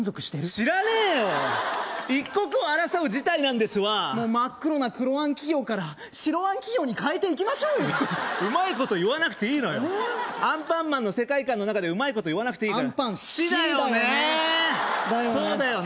知らねえよ一刻を争う事態なんですわもう真っ黒な黒あん企業から白あん企業に変えていきましょううまいこと言わなくていいのよアンパンマンの世界観のなかでうまいこと言わなくていいからアンパン氏だよね氏だよねだよね